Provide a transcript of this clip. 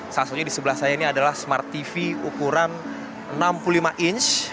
salah satunya di sebelah saya ini adalah smart tv ukuran enam puluh lima inch